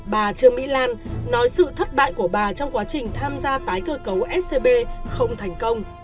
bà trương mỹ lan nói sự thất bại của bà trong quá trình tham gia tái cơ cấu scb không thành công